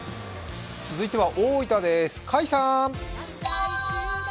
続いては大分です。